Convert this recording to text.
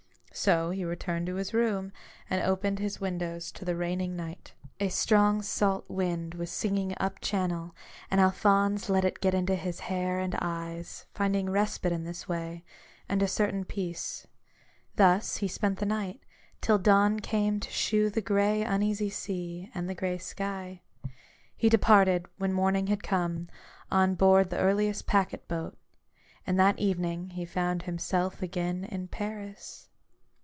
So he returned to his room, and opened his windows to the raining night. A strong salt wind was singing up channel ; and Alphonse let it get into his hair and eyes, finding respite in this way, and a certain peace. Thus he spent the night, till the dawn came to shew the gray, uneasy sea, and the gray sky. He departed, when morning had come, on board ORIGINAL SIN. 121 the earliest packet boat, and that evening he found himself again in Paris.